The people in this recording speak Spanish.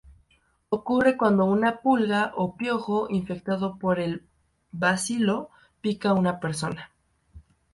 Ocurre cuando una pulga o piojo infectado por el bacilo pica a una persona.